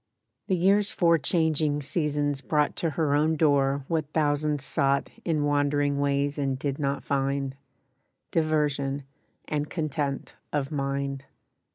The year's four changing seasons brought To her own door what thousands sought In wandering ways and did not find— Diversion and content of mind.